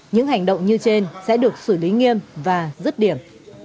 những hành động như trên sẽ được xử lý nghiêm và rứt điểm